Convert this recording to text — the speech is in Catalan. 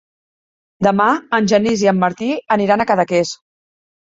Demà en Genís i en Martí aniran a Cadaqués.